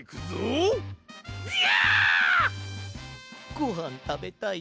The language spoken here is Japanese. ごはんたべたい？